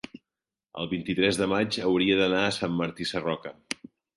el vint-i-tres de maig hauria d'anar a Sant Martí Sarroca.